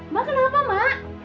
mak kenapa mak